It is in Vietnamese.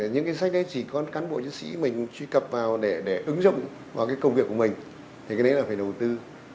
những cái sách đấy chỉ có cán bộ chiến sĩ mình truy cập vào để ứng dụng vào cái công việc của mình thì cái đấy là phải đầu tư